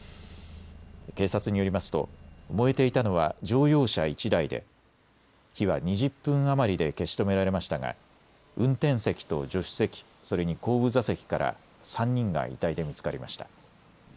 警察によりますと燃えていたのは乗用車１台で火は２０分余りで消し止められましたが運転席と助手席、それに後部座席から３人が遺体で見つかりました。